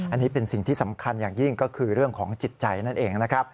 อันนี้เป็นสิ่งที่สำคัญอย่างยิ่งก็คือเรื่องของจิตใจนั่นเองนะครับ